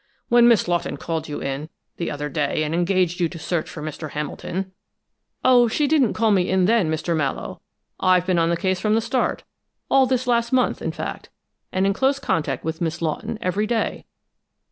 When Miss Lawton called you in, the other day, and engaged you to search for Mr. Hamilton " "Oh, she didn't call me in then, Mr. Mallowe! I've been on the case from the start, all this last month, in fact, and in close touch with Miss Lawton every day."